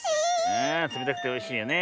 ああつめたくておいしいよね。